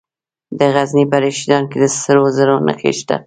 د غزني په رشیدان کې د سرو زرو نښې شته.